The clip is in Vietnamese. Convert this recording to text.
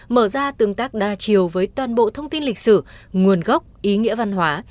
mở ra tương tác đa chiều với toàn bộ thông tin lịch sử nguồn gốc ý nghĩa văn hóa